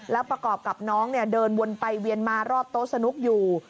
แล้วประกอบกับน้องเดินวนไปเวียนมารอบโต๊ะสนุกอยู่